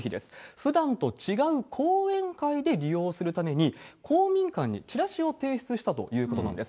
ふだんと違う講演会で利用するために、公民館にチラシを提出したということなんです。